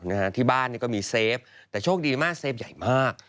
นะฮะที่บ้านเนี่ยก็มีเซฟแต่โชคดีมากเซฟใหญ่มาก